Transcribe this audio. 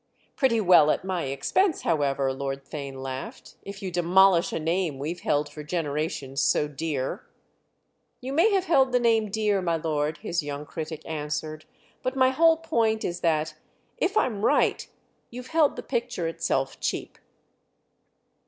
"Pretty well at my expense, however," Lord Theign laughed, "if you demolish a name we've held for generations so dear." "You may have held the name dear, my lord," his young critic answered; "but my whole point is that, if I'm right, you've held the picture itself cheap."